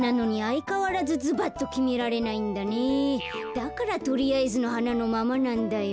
だからとりあえずのはなのままなんだよ。